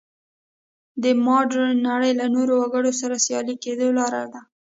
د مډرنې نړۍ له نورو وګړو سره سیال کېدو لاره ده.